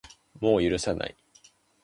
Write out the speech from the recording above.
もう許さない